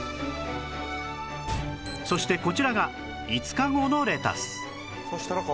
そしてこちらが５日後のレタス